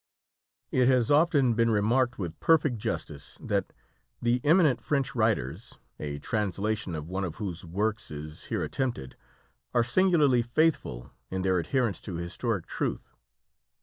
It has often been remarked, with perfect justice, that the eminent French writers, a translation of one of whose works is here attempted, are singularly faithful in their adherence to historic truth.